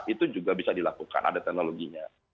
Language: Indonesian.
itu juga bisa dilakukan ada teknologinya